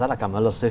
rất là cảm ơn luật sư